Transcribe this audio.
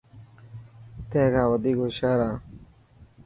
تين کان وڌيڪ هوشيار هان.